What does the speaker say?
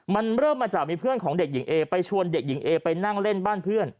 มันเริ่มมาจากมีเพื่อนของเด็กหญิงเอไปชวนเด็กหญิงเอไปนั่งเล่นบ้านเพื่อน